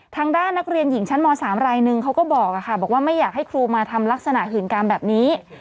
ทางด้านนักเรียนหญิงชั้นม๓รายนึงเขาก็บอกว่าไม่อยากให้ครูมาทำลักษณะหื่นกรรมแบบนี้